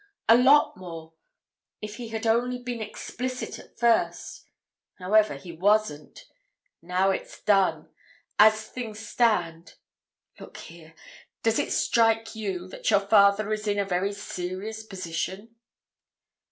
A lot more! If he had only been explicit at first—however, he wasn't. Now it's done. As things stand—look here, does it strike you that your father is in a very serious position?"